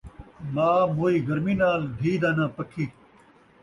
ماء موئی گرمی نال ، دھی دا ناں پکھی